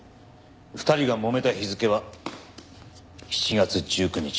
２人がもめた日付は７月１９日。